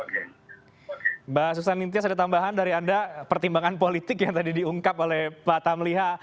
mbak susan nintias ada tambahan dari anda pertimbangan politik yang tadi diungkap oleh pak tamliha